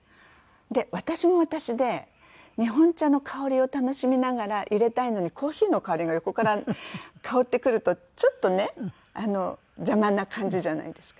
で私も私で日本茶の香りを楽しみながらいれたいのにコーヒーの香りが横から香ってくるとちょっとね邪魔な感じじゃないですか。